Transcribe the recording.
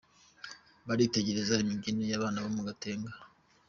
Baritegereza imibyinire y'abana bo mu Gatenga.